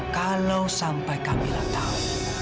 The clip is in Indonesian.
kalau sampai kamila tahu